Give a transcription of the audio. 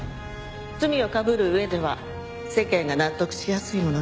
罪をかぶる上では世間が納得しやすいものね。